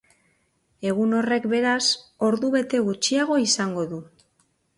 Egun horrek, beraz, ordubete gutxiago izango du.